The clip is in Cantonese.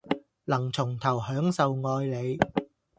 能從頭享受愛你